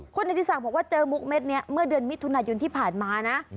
คนอาทิสัยบอกว่าเจอมุกเม็ดเนี่ยเมื่อเดือนมิถุนายุนที่ผ่านมานะ